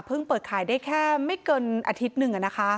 เปิดขายได้แค่ไม่เกินอาทิตย์หนึ่ง